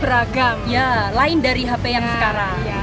beragam ya lain dari hp yang sekarang